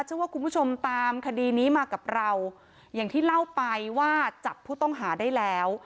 เชื่อว่าคุณผู้ชมตามคดีนี้มากับเราอย่างที่เล่าไปว่าจับผู้ต้องหาได้แล้ว